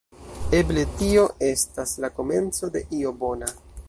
Eble tio estas la komenco de io bona.